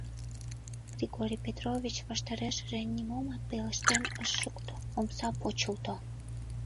Григорий Петрович ваштарешыже нимомат пелештен ыш шукто, омса почылто.